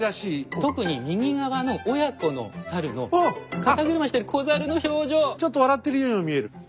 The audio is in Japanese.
特に右側の親子の猿の肩車してるちょっと笑ってるようにも見える。